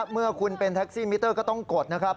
เมื่อคุณเป็นแท็กซี่มิเตอร์ก็ต้องกดนะครับ